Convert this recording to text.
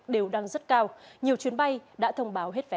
đều đang rất cao nhiều chuyến bay đã thông báo hết vé